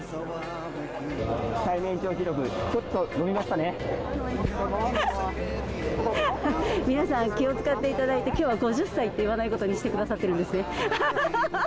最年長記録、ちょっと伸びま皆さん、気を遣っていただいて、きょうは５０歳って言わないことにしてくださってるんですね。